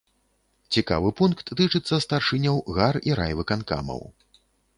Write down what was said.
Цікавы пункт тычыцца старшыняў гар- і райвыканкамаў.